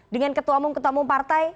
dengan ketua umum ketua umum partai